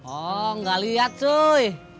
o enggak liat cuy